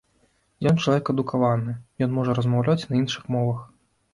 Ён чалавек адукаваны, ён можа размаўляць і на іншых мовах.